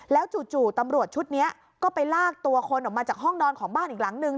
แล้วจู่ตำรวจชุดนี้ก็ไปลากตัวคนออกมาจากห้องนอนของบ้านอีกหลังนึง